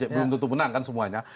belum tentu menang kan semuanya